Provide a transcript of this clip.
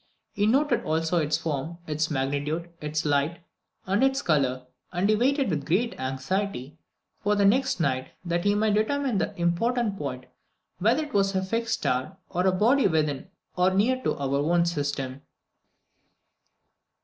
He noted also its form, its magnitude, its light, and its colour, and he waited with great anxiety for the next night that he might determine the important point whether it was a fixed star, or a body within, or near to, our own system.